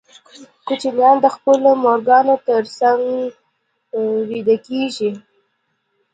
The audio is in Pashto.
کوچنیان د خپلو مورګانو تر څنګ ویده کېږي.